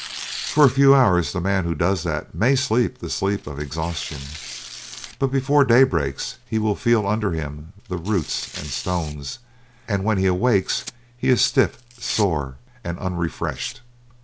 For a few hours the man who does that may sleep the sleep of exhaustion. But before day breaks he will feel under him the roots and stones, and when he awakes he is stiff, sore and unrefreshed.